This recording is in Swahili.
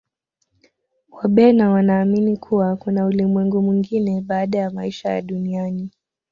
wabena wanaamini kuwa kuna ulimwengu mwingine baada ya maisha ya duniani